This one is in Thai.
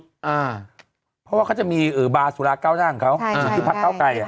เพราะว่าเขาจะมีเออบาสุราก้าวหน้าของเขาใช่ใช่ที่พัดก้าวไก่